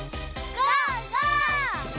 ゴー！